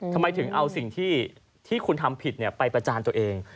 ทำไมถึงเอาสิ่งที่คุณทำผิดไปประจานตัวเอง